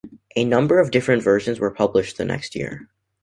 A number of different versions were published the next year.